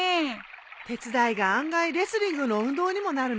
手伝いが案外レスリングの運動にもなるのよ。